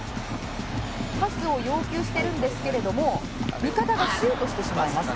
「パスを要求してるんですけれども味方がシュートしてしまいます」